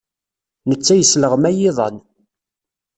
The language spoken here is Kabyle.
Netta yesleɣmay iḍan.